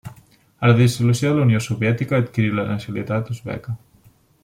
A la dissolució de la Unió Soviètica adquirí la nacionalitat uzbeka.